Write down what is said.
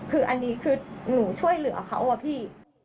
คืออันนี้คือหนูช่วยเหลือเขาอะพี่